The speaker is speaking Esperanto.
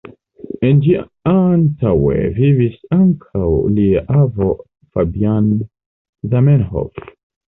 En ĝi antaŭe vivis ankaŭ lia avo Fabian Zamenhof.